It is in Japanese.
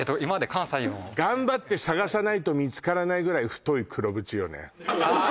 関西の頑張って探さないと見つからないぐらい太い黒縁よね